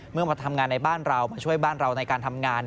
มาทำงานในบ้านเรามาช่วยบ้านเราในการทำงาน